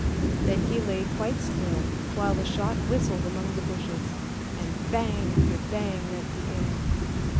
" Then he lay quite still while the shot whistled among the bushes, and bang after bang rent the air.